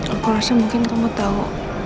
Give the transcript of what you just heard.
aku rasa mungkin kamu tahu